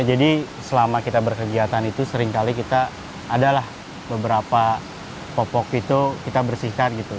selama kita berkegiatan itu seringkali kita adalah beberapa popok itu kita bersihkan gitu